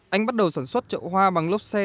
anh bắt đầu sản xuất chậu hoa bằng lốp xe